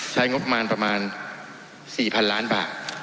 ใช้งบประมาณ๔๐๐๐ล้านบาท